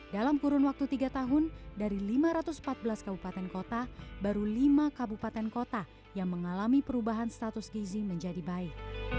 dalam kurun waktu tiga tahun dari lima ratus empat belas kabupaten kota baru lima kabupaten kota yang mengalami perubahan status gizi menjadi baik